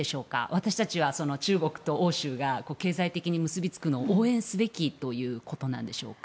私たちは中国と欧州が経済的に結びつくのを応援すべきということでしょうか？